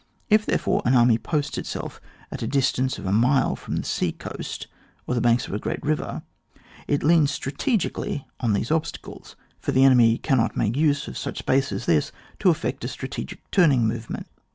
If, therefore, an army posts itself at a dis tance of a mile from the sea coast or the banks of a great river, it leans strate gically on these obstacles, for the enemy cannot make use of such a space as this to effect a strategic turning movement.